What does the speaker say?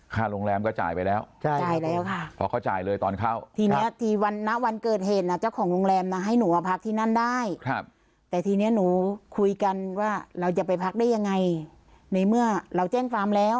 ค่ะโรงแรมก็จ่ายไปแล้วจ่ายแล้วค่ะเพราะเขาจ่ายเลยตอนเข้า